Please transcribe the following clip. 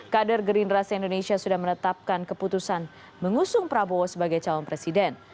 kader gerindra se indonesia sudah menetapkan keputusan mengusung prabowo sebagai calon presiden